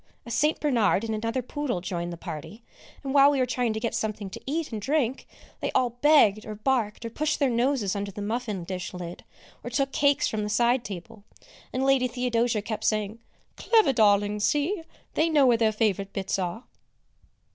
A St. Bernard and another poodle joined the party, and while we were trying to get something to eat and drink, they all begged or barked or pushed their noses under the muffin dish lid, or took cakes from the side table; and Lady Theodosia kept saying, "Clever darlings; see, they know where their favourite bits are."